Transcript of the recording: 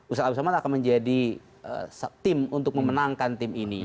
ustadz absoman akan menjadi tim untuk memenangkan tim ini